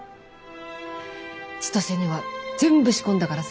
千歳には全部仕込んだからさ。